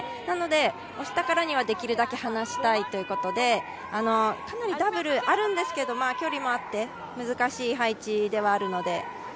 なので、押したからにはできるだけ離したいということでダブルあるんですけど距離もあって難しい配置ではあるので。